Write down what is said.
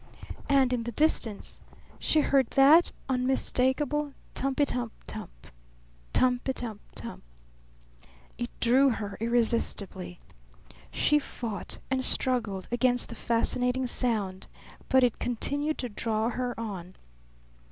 And in the distance she heard that unmistakable tumpitum tump! tumpitum tump! It drew her irresistibly. She fought and struggled against the fascinating sound, but it continued to draw her on.